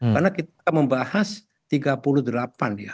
karena kita membahas tiga puluh delapan ya